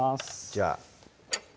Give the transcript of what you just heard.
じゃあ